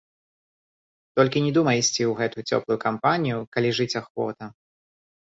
Толькі не думай ісці ў гэту цёплую кампанію, калі жыць ахвота.